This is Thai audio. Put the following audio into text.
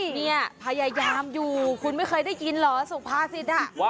เนี่ยพยายามอยู่คุณไม่เคยได้ยินเหรอสุภาษิตอ่ะ